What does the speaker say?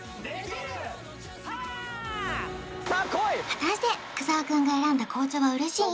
果たして深澤くんが選んだ紅茶は嬉しい？